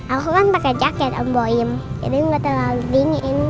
aku kan pakai jaket om boim jadi gak terlalu dingin